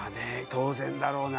当然だろうな